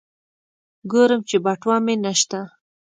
ګورم چې بټوه مې نشته.